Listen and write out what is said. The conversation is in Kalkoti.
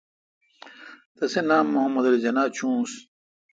تسی نام محمد علی جناح چونس۔